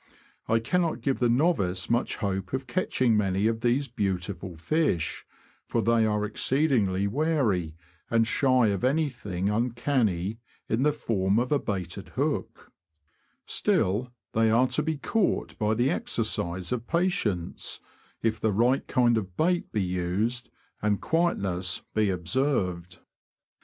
I cannot give the novice much hope of catch ing many of these beautiful fish, for they are exceedingly wary, and shy of anything uncanny in the form of a baited hook ; still, they are to be caught by the exercise of patience, if the right kind of bait be used, and quiet ness be observed.